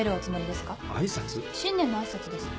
新年の挨拶です。